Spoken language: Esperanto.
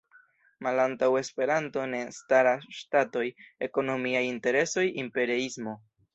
Malantaŭ Esperanto ne staras ŝtatoj, ekonomiaj interesoj, imperiismo.